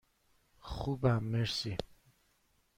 خوبم، مرسی.